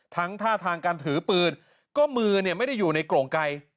ท่าทางการถือปืนก็มือเนี่ยไม่ได้อยู่ในโกร่งไกล